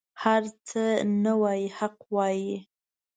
هر څه نه وايي حق وايي.